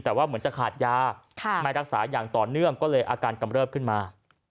แต่ว่าเหมือนจะขาดยาไม่รักษาอย่างต่อเนื่องก็เลยอาการกำเริบขึ้นมา